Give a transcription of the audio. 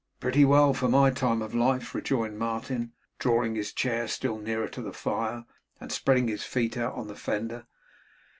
'Pretty well for my time of life,' rejoined Martin, drawing his chair still nearer to the fire, and spreading his feet out on the fender.